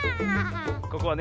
ここはね